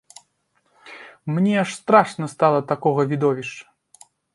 Мне аж страшна стала ад такога відовішча.